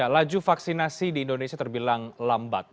laju vaksinasi di indonesia terbilang lambat